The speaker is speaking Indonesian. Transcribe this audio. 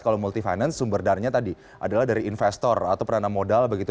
kalau multi finance sumber dananya tadi adalah dari investor atau peranan modal begitu